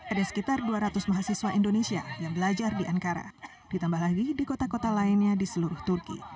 ada sekitar dua ratus mahasiswa indonesia yang belajar di ankara ditambah lagi di kota kota lainnya di seluruh turki